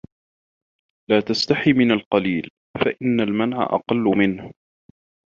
لَا تَسْتَحِ مِنْ الْقَلِيلِ فَإِنَّ الْمَنْعَ أَقَلُّ مِنْهُ